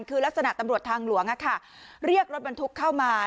คือลักษณะตำรวจทางหลวงเรียกรถบรรทุกเข้ามา